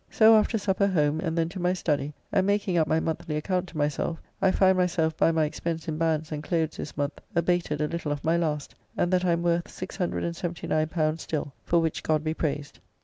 So after supper home, and then to my study, and making up my monthly account to myself. I find myself, by my expense in bands and clothes this month, abated a little of my last, and that I am worth L679 still; for which God be praised.